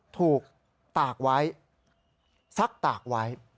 ถูกตากไว้ซักตากไว้